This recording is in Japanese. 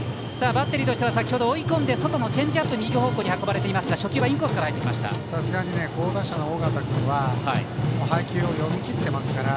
バッテリーとしては先程追い込んで外のチェンジアップを右方向に運ばれましたが初球、インコースから。